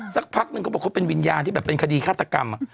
สักพักนึงเขาบอกเขาเป็นวิญญาณที่แบบเป็นคดีฆาตกรรม